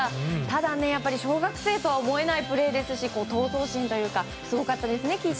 ただ、小学生とは思えないプレーですし闘争心というかすごかったですね。